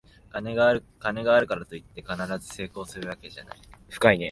金があるからといって必ず成功するわけじゃない